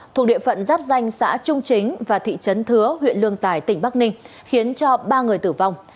thuộc địa phận giáp danh xã trung chính và thị trấn thứa huyện lương tài tỉnh bắc ninh khiến cho ba người tử vong